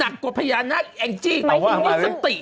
นักกว่าพญานาคอังจี้อังงีศติ